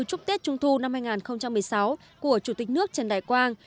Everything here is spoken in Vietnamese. chúc tết trung thu năm hai nghìn một mươi sáu của chủ tịch nước trần đại quang